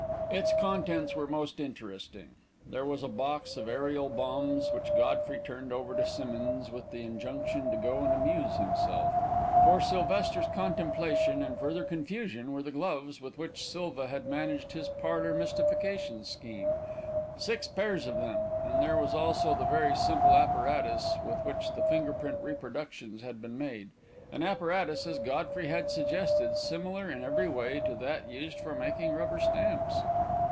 Its contents were most interesting. There was a box of aerial bombs, which Godfrey turned over to Simmonds with the injunction to go and amuse himself. For Sylvester's contemplation and further confusion were the gloves with which Silva had managed his parlour mystification scheme, six pairs of them; and there was also the very simple apparatus with which the finger print reproductions had been made an apparatus, as Godfrey had suggested, similar in every way to that used for making rubber stamps.